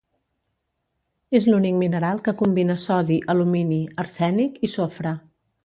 És l'únic mineral que combina sodi, alumini, arsènic i sofre.